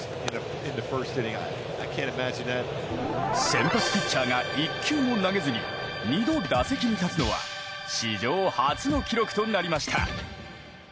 先発ピッチャーが１球も投げずに２度、打席に立つのは史上初の記録となりました。